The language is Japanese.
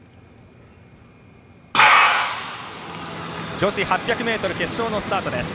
女子８００ｍ決勝のスタートです。